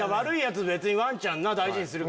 ワンちゃん大事にする。